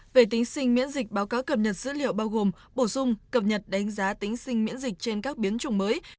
về tính sinh miễn dịch báo cáo cập nhật dữ liệu bao gồm bổ sung cập nhật đánh giá tính sinh miễn dịch trên các biến chủng mới